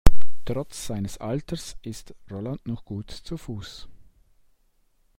Trotz seines Alters ist Roland noch gut zu Fuß.